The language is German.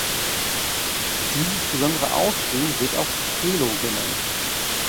Dieses besondere Aussehen wird auch "Halo" genannt.